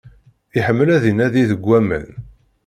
Iḥemmel ad inadi deg aman.